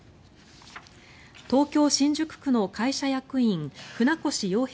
東京・新宿区の会社役員船越洋平